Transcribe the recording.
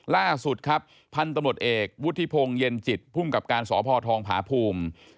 ล่าสุดครับพันธุ์ตำรวจเอกวุฒิพงศ์เย็นจิตภูมิกับการสพทองผาภูมิ